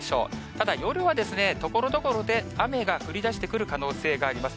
ただ、夜はところどころで雨が降りだしてくる可能性があります。